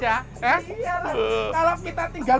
iya kalau kita tinggal